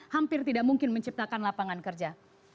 hampir tidak mungkin menciptakan lapangan kerja